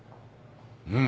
うん。